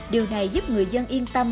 điều này giúp người dân yên tâm